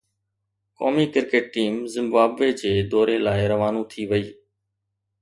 قومي cricket team Zimbabwe جي دوري لاءِ روانو ٿي وئي